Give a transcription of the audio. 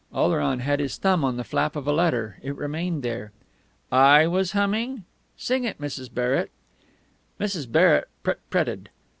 Oleron had his thumb in the flap of a letter. It remained there. "I was humming?... Sing it, Mrs. Barrett." Mrs. Barrett prut prutted.